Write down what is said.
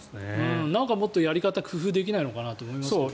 もっとやり方を工夫できないのかなと思いますけどね。